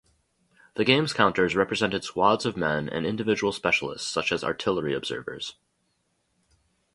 The game's counters represented squads of men and individual specialists such as artillery observers.